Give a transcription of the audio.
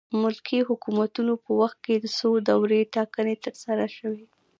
ملکي حکومتونو په وخت کې څو دورې ټاکنې ترسره شوې.